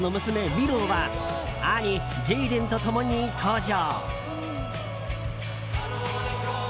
ウィローは兄・ジェイデンと共に登場。